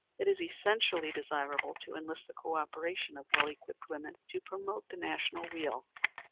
It is essentially desirable to enlist the co operation of well equipped women to promote the national weal."